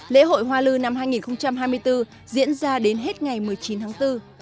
lễ hội hoa lư năm hai nghìn hai mươi bốn diễn ra đến hết ngày một mươi chín tháng bốn